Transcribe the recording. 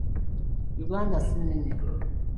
Uganda nsi nnene.